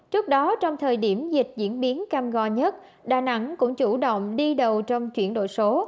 trước đó trong thời điểm dịch diễn biến cam go nhất đà nẵng cũng chủ động đi đầu trong chuyển đổi số